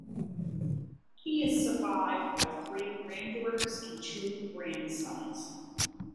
He is survived by three granddaughters and two grandsons.